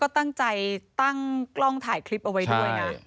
ตั้งใจตั้งกล้องถ่ายคลิปเอาไว้ด้วยนะ